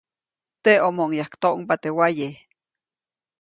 Teʼomoʼuŋ yajktoʼŋba teʼ waye.